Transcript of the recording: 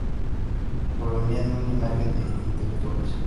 Provenía de un linaje de intelectuales.